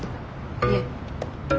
いえ。